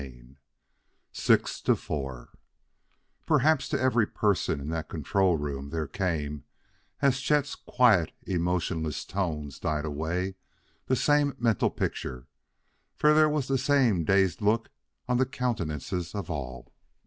CHAPTER VI "Six to Four" Perhaps to every person in that control room there came, as Chet's quiet, emotionless tones died away, the same mental picture; for there was the same dazed look on the countenances of all.